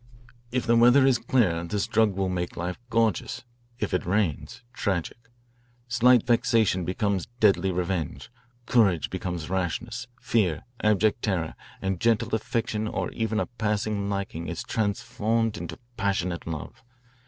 If the weather is clear, this drug will make life gorgeous; if it rains, tragic. Slight vexation becomes deadly revenge; courage becomes rashness; fear, abject terror; and gentle affection or even a passing liking is transformed into passionate love.